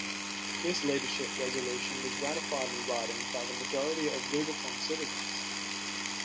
This leadership resolution was ratified in writing by the majority of Lubicon citizens.